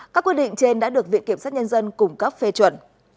các quy định trên đã được viện kiểm soát nhân dân cung cấp phê chuẩn